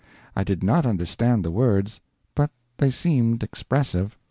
I did not understand the words, but they seemed expressive.